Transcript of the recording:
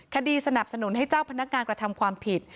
สนับสนุนให้เจ้าพนักงานกระทำความผิด